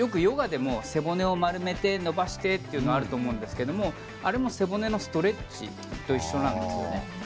よくヨガでも背骨を丸めて、伸ばしてというのがあると思いますがそれも背骨のストレッチと同じなんですよね。